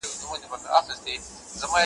ویل کیږي چې په هماغو